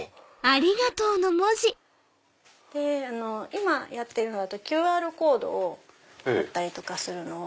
今やってるのだとＱＲコードを彫ったりとかするのを。